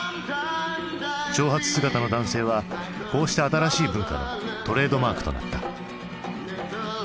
長髪姿の男性はこうした新しい文化のトレードマークとなった。